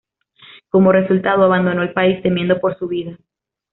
Como resultado, abandonó el país temiendo por su vida.